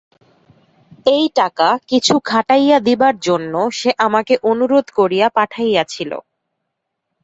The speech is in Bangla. এই টাকা কিছু খাটাইয়া দিবার জন্য সে আমাকে অনুরোধ করিয়া পাঠাইয়াছিল।